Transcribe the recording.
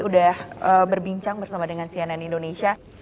udah berbincang bersama dengan cnn indonesia